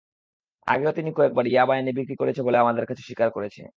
আগেও তিনি কয়েকবার ইয়াবা এনে বিক্রি করেছে বলে আমাদের কাছে স্বীকার করেছে।